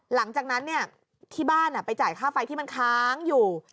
หลังจากนั้นที่บ้านไปจ่ายค่าไฟที่มันค้างอยู่